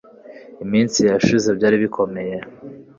Iminsi yashize byari bikomeye